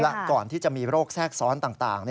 และก่อนที่จะมีโรคแทรกซ้อนต่าง